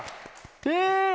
え！